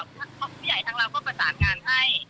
ผู้ใหญ่ทางเราก็ประสานงานให้